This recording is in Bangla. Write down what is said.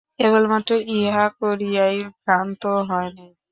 কেবলমাত্র ইহা করিয়াই ক্ষান্ত হয় না।